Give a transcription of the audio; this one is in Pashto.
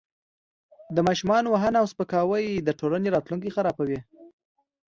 د ماشوم وهنه او سپکاوی د ټولنې راتلونکی خرابوي.